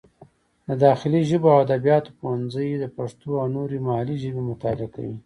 د داخلي ژبو او ادبیاتو پوهنځی د پښتو او نورې محلي ژبې مطالعه کوي.